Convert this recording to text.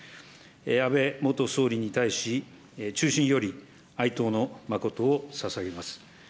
安倍元総理に対し、衷心より哀悼の誠をささげます。